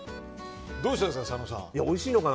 どうしたんですか？